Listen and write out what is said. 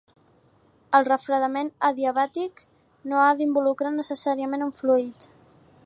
El refredament adiabàtic no ha d'involucrar necessàriament un fluid.